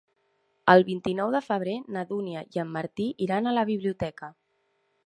El vint-i-nou de febrer na Dúnia i en Martí iran a la biblioteca.